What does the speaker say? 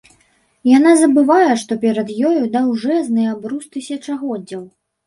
Яна забывае, што перад ёю даўжэзны абрус тысячагоддзяў.